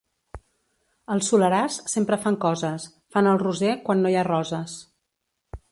Al Soleràs sempre fan coses, fan el roser quan no hi ha roses.